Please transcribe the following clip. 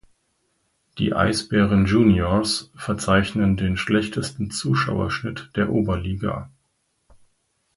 Die Eisbären Juniors verzeichnen den schlechtesten Zuschauerschnitt der Oberliga.